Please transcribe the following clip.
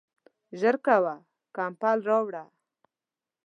ژر کوه ، کمپل راوړه !